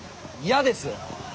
嫌です。